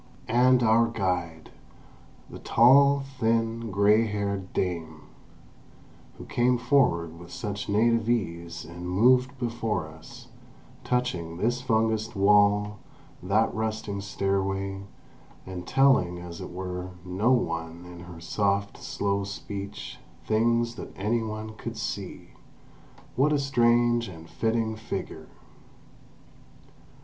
And our guide, the tall, thin, grey haired dame, who came forward with such native ease and moved before us, touching this fungused wall, that rusting stairway, and telling, as it were, no one in her soft, slow speech, things that any one could see—what a strange and fitting figure!